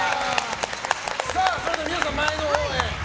それでは皆さん前のほうへ。